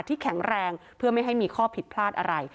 แข็งแรงเพื่อไม่ให้มีข้อผิดพลาดอะไร